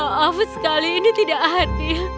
maaf sekali ini tidak hadir